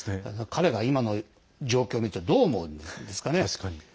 彼が今の状況を見るとどう思うんですかね。